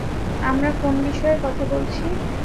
আমরা কোন বিষয়ে কথা বলছি?